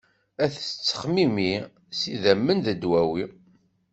Ad teccexmimi s yidammen d dwawi.